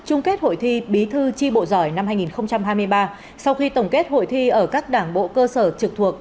chung kết hội thi bí thư tri bộ giỏi năm hai nghìn hai mươi ba sau khi tổng kết hội thi ở các đảng bộ cơ sở trực thuộc